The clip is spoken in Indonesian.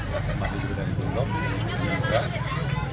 yang teman teman juga dari tulum